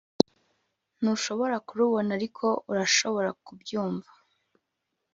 ntushobora kurubona ariko urashobora kubyumva